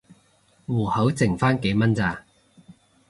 戶口剩番幾蚊咋